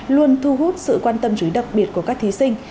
luôn thu hút sự quan tâm trúy đặc biệt của các thí sinh